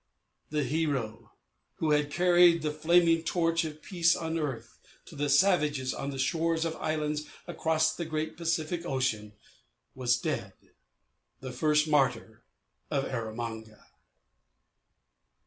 The hero who had carried the flaming torch of peace on earth to the savages on scores of islands across the great Pacific Ocean was dead the first martyr of Erromanga.